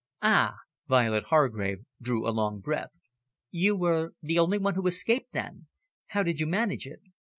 "Ah!" Violet Hargrave drew a long breath. "You were the only one who escaped, then? How did you manage it?"